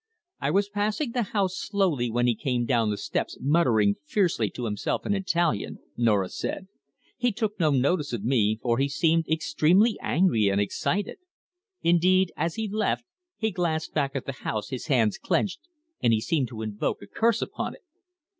"I was passing the house slowly when he came down the steps muttering fiercely to himself in Italian," Norah said. "He took no notice of me, for he seemed extremely angry and excited. Indeed, as he left, he glanced back at the house, his hands clenched, and he seemed to invoke a curse upon it."